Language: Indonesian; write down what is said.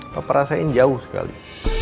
papa rasain jauh sekali